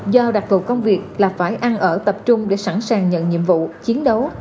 do đặc thù công việc là phải ăn ở tập trung để sẵn sàng nhận nhiệm vụ chiến đấu